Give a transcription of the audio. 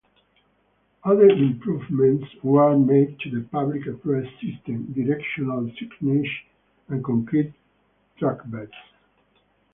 Other improvements were made to the public address system, directional signage, and concrete trackbeds.